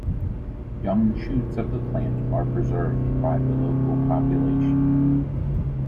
Young shoots of the plants are preserved by the local population.